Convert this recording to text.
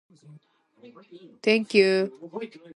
شفقت کا رویہ رکھیں۔